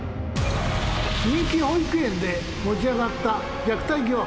人気保育園で持ち上がった虐待疑惑。